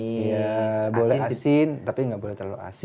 iya boleh asin tapi nggak boleh terlalu asin